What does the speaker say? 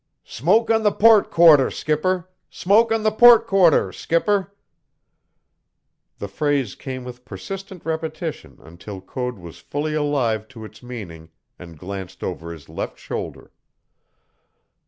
"Smoke on the port quarter, skipper! Smoke on the port quarter, skipper!" The phrase came with persistent repetition until Code was fully alive to its meaning and glanced over his left shoulder.